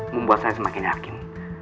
membuat saya semakin yakin